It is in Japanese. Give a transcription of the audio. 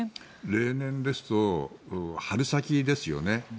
例年ですと春先ですよね